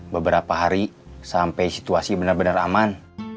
beberapa hari sampai situasi benar benar aman